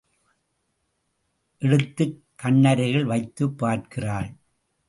எடுத்துக் கண்ணருகில் வைத்துப் பார்க்கிறாள்.